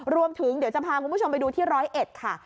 รวมถึงเดี๋ยวจะพาคุณผู้ชมไปดูที่ร้อยเอ็ดค่ะ